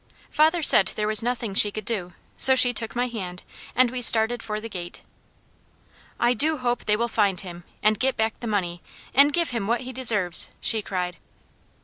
Father said there was nothing she could do, so she took my hand and we started for the gate. "I do hope they will find him, and get back the money, and give him what he deserves!" she cried.